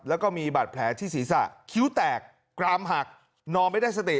แล้วก็มีบาดแผลที่ศีรษะคิ้วแตกกรามหักนอนไม่ได้สติ